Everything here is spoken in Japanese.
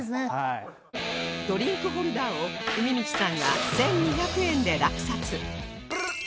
ドリンクホルダーをうみみちさんが１２００円で落札